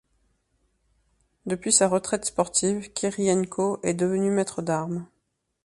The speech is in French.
Depuis sa retraite sportive, Kirienko est devenu maître d'armes.